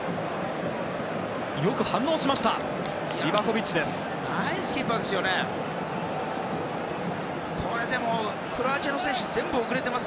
よく反応しましたリバコビッチです。